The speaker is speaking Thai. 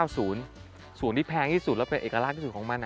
ส่วนที่แพงที่สุดแล้วเป็นเอกลักษณ์ที่สุดของมัน